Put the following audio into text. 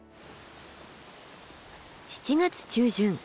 ７月中旬